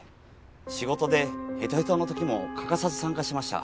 仕事でヘトヘトの時も欠かさず参加しました。